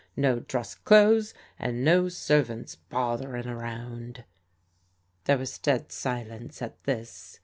No dress clothes, and no servants botherin' around.*' There was dead silence at this.